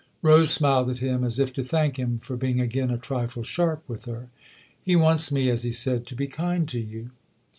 Rose smiled at him as if to thank him for being again a trifle sharp with her. " He wants me, as he said, to be kind to you."